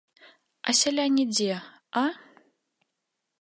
А сяляне дзе, а?